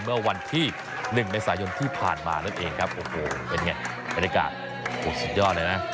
เมื่อวันที่๑เมษายนที่ผ่านมานั่นเองครับโอ้โหเป็นไงบรรยากาศสุดยอดเลยนะ